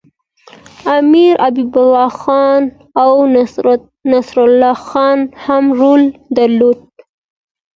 امیر حبیب الله خان او نصرالله خان هم رول درلود.